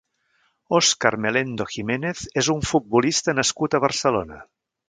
Óscar Melendo Jiménez és un futbolista nascut a Barcelona.